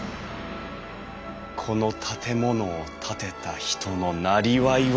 この建物を建てた人のなりわいは。